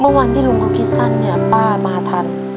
เมื่อวานที่ลุงก็คิดสั้นเนี่ยป๊ามาทัน